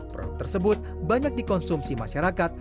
produk tersebut banyak dikonsumsi masyarakat